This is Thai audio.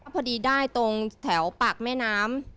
พอดีได้ตรงแถวปากแม่น้ำ